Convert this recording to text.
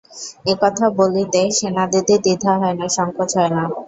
একথা বলিতে সেনদিদির দ্বিধা হয় না, সঙ্কোচ হয় না!